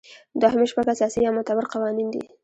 دوهم شپږ اساسي یا معتبر قوانین دي.